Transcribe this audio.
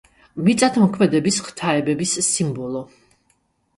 მიწადმოქმედების ღვთაებების სიმბოლო.